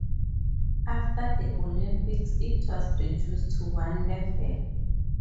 After the Olympics, it was reduced to one level.